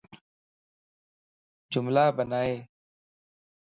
جملا بنائي